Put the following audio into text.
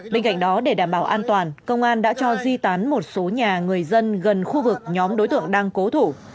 bên cạnh đó để đảm bảo an toàn công an đã cho di tản một số nhà người dân gần khu vực nhóm đối tượng đang cố thủ